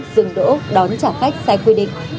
dừng đỗ đón trả khách sai quy định